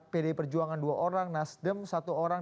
pdi perjuangan dua orang nasdem satu orang